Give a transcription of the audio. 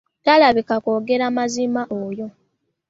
Talabika kwogera mazima oyo.